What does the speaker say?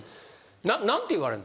何て言われんの？